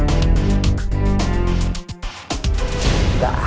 ada yang aku ya